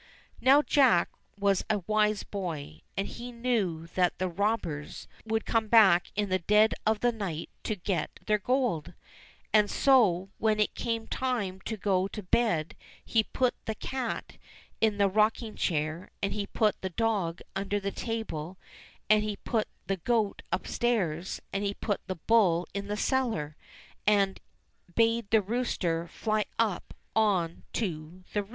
Now Jack was a wise boy, and he knew that the robbers would come back in the dead of the night to get their gold, and so when it came time to go to bed he put the cat in the rocking chair, and he put the dog under the table, and he put the goat upstairs, and he put the bull in the cellar, and bade the rooster fly up on to the roof.